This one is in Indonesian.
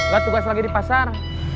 gak tugas lagi di pasar